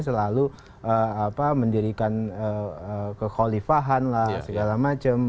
selalu mendirikan kekhalifahan lah segala macam